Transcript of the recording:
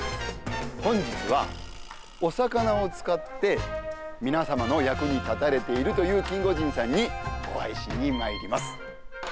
本日は、お魚を使って皆さまの役にたたれているというキンゴジンさんにお会いしにまいります。